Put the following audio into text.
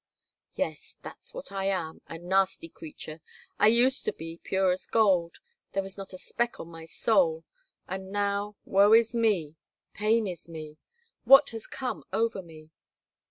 "Yes, that's what I am, a nasty creature. I used to be pure as gold. There was not a speck on my soul, and now, woe is me, pain is me! What has come over me?"